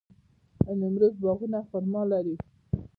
د نیمروز باغونه خرما لري.